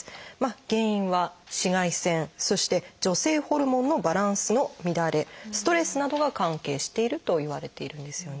原因は紫外線そして女性ホルモンのバランスの乱れストレスなどが関係しているといわれているんですよね。